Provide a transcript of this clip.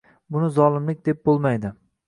Buni zolimlik deb bo‘lmaydi.